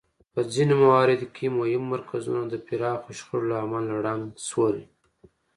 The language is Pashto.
په ځینو مواردو کې مهم مرکزونه د پراخو شخړو له امله ړنګ شول